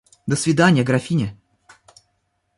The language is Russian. До свиданья, графиня.